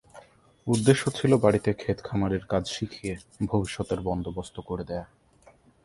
উদ্দেশ্য ছিল বাড়িতে ক্ষেত-খামারের কাজ শিখিয়ে ভবিষ্যতের বন্দোবস্ত করে দেওয়া।